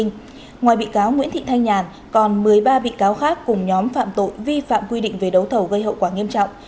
ngoài bị cáo nguyễn thị thanh nhàn còn một mươi ba bị cáo khác cùng nhóm phạm tội vi phạm quy định về đấu thầu gây hậu quả nghiêm trọng